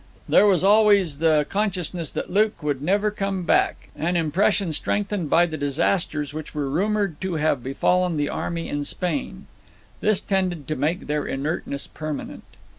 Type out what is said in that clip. There was always the consciousness that Luke would never come back, an impression strengthened by the disasters which were rumoured to have befallen the army in Spain. This tended to make their inertness permanent.